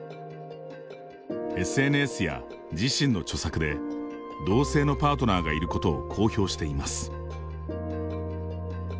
ＳＮＳや自身の著作で同性のパートナーがいることを公表しています。